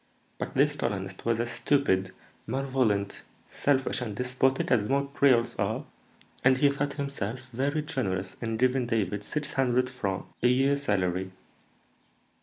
But this colonist was as stupid, malevolent, selfish, and despotic as most creoles are, and he thought himself very generous in giving David six hundred francs (24_l._) a year salary.